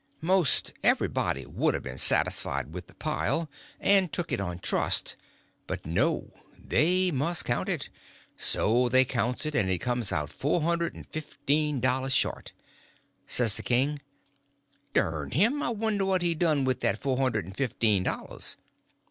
Most everybody would a been satisfied with the pile, and took it on trust; but no, they must count it. So they counts it, and it comes out four hundred and fifteen dollars short. Says the king: "Dern him, I wonder what he done with that four hundred and fifteen dollars?"